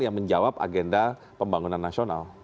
yang menjawab agenda pembangunan nasional